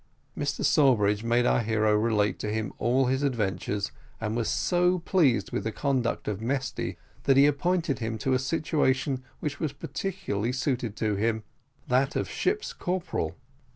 Mr Sawbridge made our hero relate to him all his adventures, and was so pleased with the conduct of Mesty, that he appointed him to a situation which was particularly suited to him that of ship's corporal.